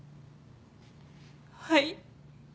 はい。